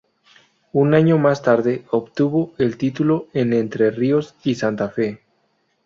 Un año más tarde, obtuvo el título en Entre Ríos y Santa Fe.